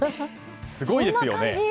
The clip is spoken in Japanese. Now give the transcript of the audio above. すごいですよね。